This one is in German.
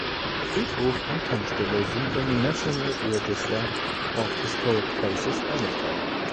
Friedhof und Tankstelle sind im National Register of Historic Places eingetragen.